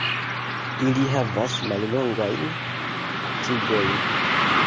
Ili havas mallongajn tigojn.